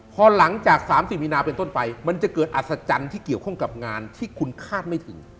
พอหลังจาก๓๐มีนาเป็นต้นไปมันจะเกิดอัศจรรย์ที่เกี่ยวข้องกับงานที่คุณคาดไม่ถึง